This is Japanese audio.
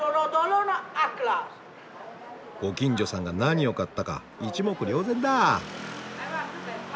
ご近所さんが何を買ったか一目瞭然だ。